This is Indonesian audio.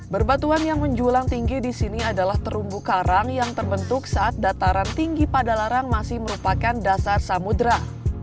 berbatuan yang menjulang tinggi di sini adalah terumbu karang yang terbentuk saat dataran tinggi padalarang masih merupakan dasar samudera